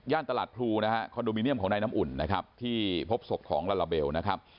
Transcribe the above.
ย่านตลาดพลูคอนโดมิเนียมของในน้ำอุ่นที่พบศพของลาลาเบล